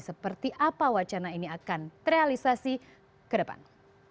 seperti apa wacana ini akan terrealisasi ke depan